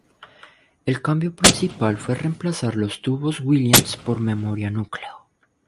El cambio principal fue reemplazar los tubos Williams por memoria núcleo.